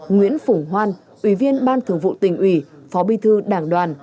nguyễn phủng hoan ủy viên ban thường vụ tỉnh ủy phó bí thư đảng đoàn